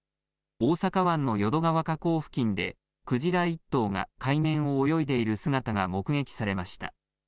大阪湾の淀川河口付近で、鯨１頭が海面を泳いでいる姿が目撃されました。